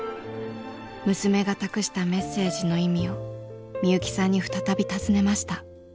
娘が託したメッセージの意味をみゆきさんに再び尋ねました。